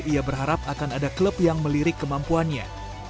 ia berharap akan ada klub yang melirik kemampuannya